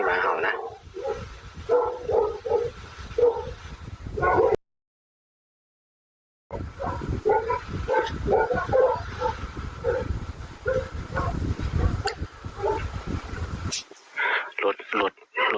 ว่าเป็นอะไรใกล้สามละหลังแบบ